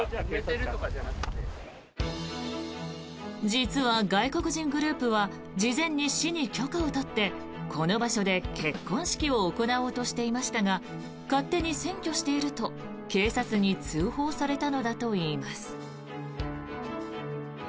実は外国人グループは事前に市に許可を取ってこの場所で結婚式を行おうとしていましたが勝手に占拠していると警察に通報されたのだといいます。